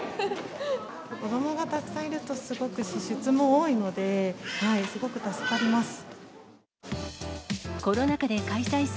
子どもがたくさんいると、すごく支出も多いので、すごく助かります。